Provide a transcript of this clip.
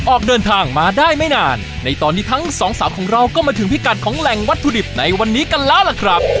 ออกเดินทางมาได้ไม่นานในตอนนี้ทั้งสองสาวของเราก็มาถึงพิกัดของแหล่งวัตถุดิบในวันนี้กันแล้วล่ะครับ